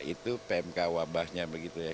itu pmk wabahnya begitu ya